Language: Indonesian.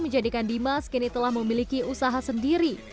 menjadikan dimas kini telah memiliki usaha sendiri